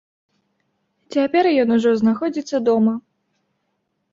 Цяпер ён ужо знаходзіцца дома.